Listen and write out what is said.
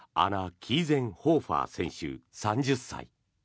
キーゼンホーファー選手３０歳。